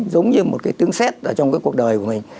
giống như một cái tiếng xét trong cuộc đời của mình